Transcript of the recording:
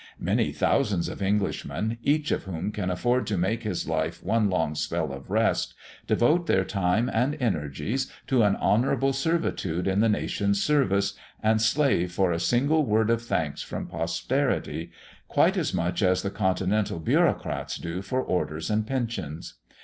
Many thousands of Englishmen, each of whom can afford to make his life one long spell of rest, devote their time and energies to an honourable servitude in the nation's service, and slave for a single word of thanks from posterity, quite as much as the continental bureaucrats do for orders and pensions.